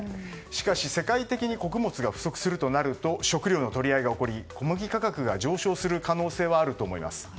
しかし、世界的に穀物が不足するとなると食糧の取り合いが起こり小麦価格が上昇する可能性はあると思います。